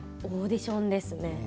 オーディションですね。